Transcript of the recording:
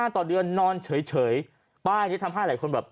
ต่อเดือนนอนเฉยป้ายนี้ทำให้หลายคนแบบ